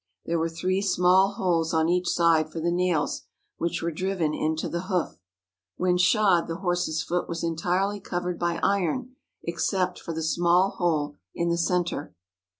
There were three small holes on each side for the nails, which were driven into the hoof. When shod the horse's foot was entirely covered by iron except for the small hole in the centre.